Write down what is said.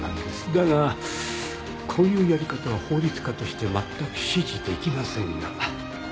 だがこういうやり方は法律家としてまったく支持できませんが。